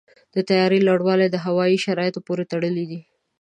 د طیارې لوړوالی د هوا شرایطو پورې تړلی دی.